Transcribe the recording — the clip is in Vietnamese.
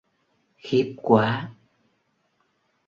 Khiếp quá